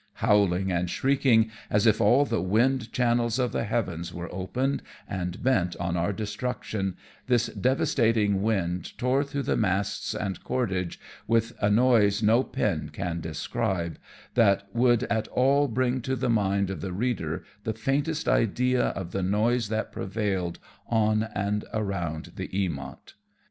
Howling and shrieking, as if all the wind channels of the heavens were opened and bent on our destruc tion, this devastating wind tore through the masts and cordage with a noise no pen can describe that would at all bring to the mind of the reader the faintest idea of the noise that prevailed on and around the Eamont.